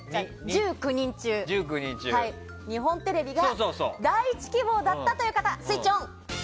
１９人中、日本テレビが第１希望だった方スイッチオン！